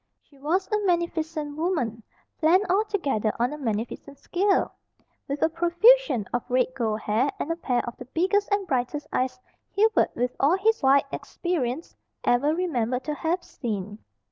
She was a magnificent woman, planned altogether on a magnificent scale, with a profusion of red gold hair, and a pair of the biggest and brightest eyes Hubert, with all his wide experience, ever remembered to have seen.